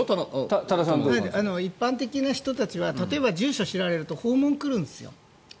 一般の人たちは例えば、住所を知られると訪問が来るんですよ。